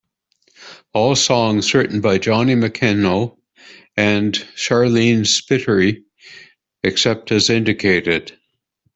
All songs written by Johnny McElhone and Sharleen Spiteri except as indicated.